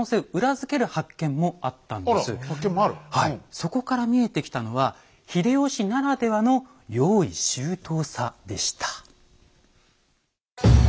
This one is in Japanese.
そこから見えてきたのは秀吉ならではの用意周到さでした。